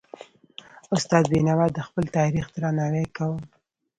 استاد بينوا د خپل تاریخ درناوی کاوه.